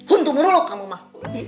untung meruluk kamu mah